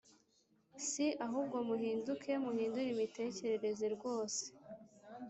Si ahubwo muhinduke muhindure imitekerereze rwose